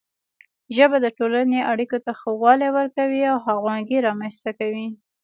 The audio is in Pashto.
ژبه د ټولنې اړیکو ته ښه والی ورکوي او همغږي رامنځته کوي.